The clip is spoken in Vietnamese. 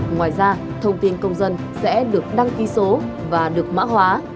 ngoài ra thông tin công dân sẽ được đăng ký số và được mã hóa